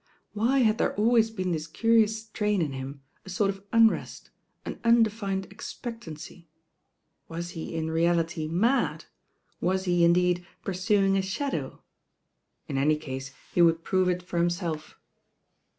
Why had there always been this curious strain in ftim, a sort of unrest, an undefined expectancy? Was he w reality mad? Was he, indeed, pursuing a shadow ? In any case he would prove it for himself.